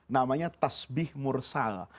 namanya tasbih mursal